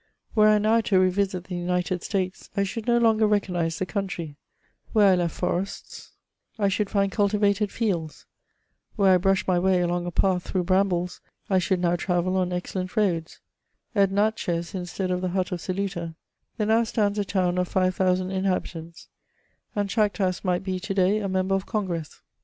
Were I now to re visit the United States, I should no longer recognise the country ; where I left forests, I should find culti" 296 MEMOIRS OF vated^ fields ; where I brushed my way along a path through bn^nbles, I should now trayel on excellent roads ; at Natchez, in stead of the hut of Celttta, there now stands a town of 6000 in habitants ; and Chactas might be to day a member of Gcmgnss.